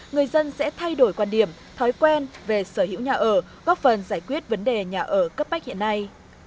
người dân sẽ thay đổi quan điểm thói quen về sở hữu nhà ở góp phần giải quyết vấn đề nhà ở cấp bách hiện nay